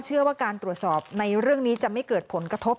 เชื่อว่าการตรวจสอบในเรื่องนี้จะไม่เกิดผลกระทบ